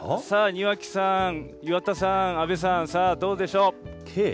さあ、庭木さん、岩田さん、阿部さん、さあどうでしょう。